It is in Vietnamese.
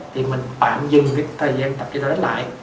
thì mình tạm dừng cái thời gian tập đi toilet lại